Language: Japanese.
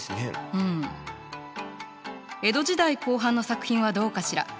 うん江戸時代後半の作品はどうかしら？